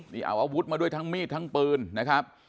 นี่เอาอาวุธมาด้วยทั้งมีดทั้งปืนนะครับ